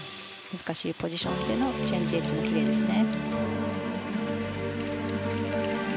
難しいポジションでのチェンジエッジもきれいですね。